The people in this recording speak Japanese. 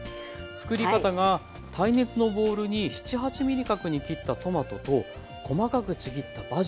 作り方が耐熱のボウルに７８ｍｍ角に切ったトマトと細かくちぎったバジルの葉